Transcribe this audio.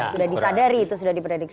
sudah disadari itu sudah diprediksi